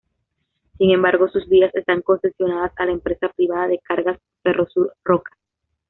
Sin embargo sus vías están concesionadas a la empresa privada de cargas Ferrosur Roca.